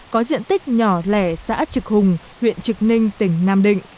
có diện tích nhỏ lẻ xã trực hùng huyện trực ninh tỉnh nam định